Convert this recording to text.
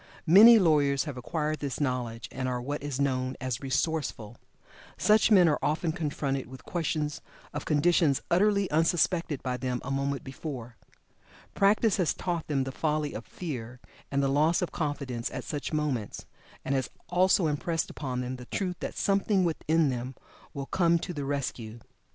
Many lawyers have acquired this knowledge, and are what is known as "resourceful." Such men are often confronted with questions of conditions utterly unsuspected by them a moment before. Practice has taught them the folly of fear and loss of confidence at such moments, and has also impressed upon them the truth that something within them will come to the rescue.